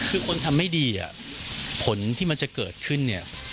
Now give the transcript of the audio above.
คือคนทำไม่ดีผลที่มันจะเกิดขึ้นเนี่ย